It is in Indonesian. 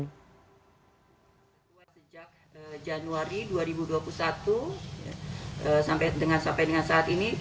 sejak januari dua ribu dua puluh satu sampai dengan saat ini badan pom telah menerbitkan emergency use authorization